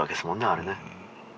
あれね。